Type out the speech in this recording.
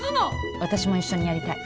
私も一緒にやりたい。